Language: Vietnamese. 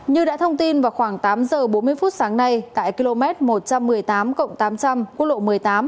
như đã thông tin vào khoảng tám giờ bốn mươi phút sáng nay tại km một trăm một mươi tám tám trăm linh quốc lộ một mươi tám